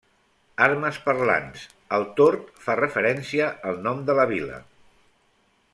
Armes parlants: el tord fa referència al nom de la vila.